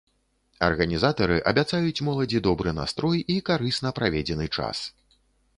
Арганізатары абяцаюць моладзі добры настрой і карысна праведзены час.